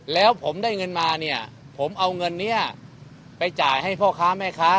แล้วผมได้เงินมาเนี่ยผมเอาเงินนี้ไปจ่ายให้พ่อค้าแม่ค้า